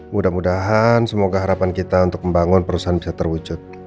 mudah mudahan semoga harapan kita untuk membangun perusahaan bisa terwujud